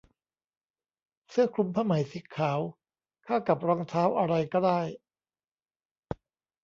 เสื้อคลุมผ้าไหมสีขาวเข้ากับรองเท้าอะไรก็ได้